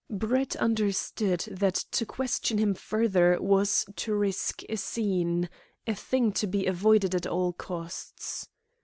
Brett understood that to question him further was to risk a scene a thing to be avoided at all costs.